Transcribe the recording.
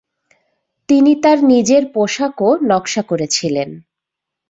তিনি তার নিজের পোশাকও নকশা করেছিলেন।